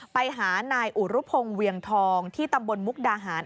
ไปหานายอุรุพงศ์เวียงทองที่ตำบลมุกดาหาร